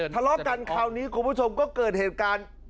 ทะเลาะกันคราวนี้คุณผู้ชมก็เกิดเหตุการณ์